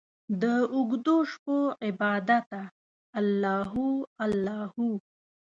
داوږدوشپو عبادته الله هو، الله هو